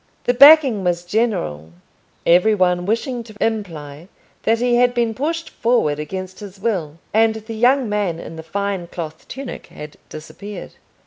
The backing was general, every one wishing to imply that he had been pushed forward against his will; and the young man in the fine cloth tunic had disappeared.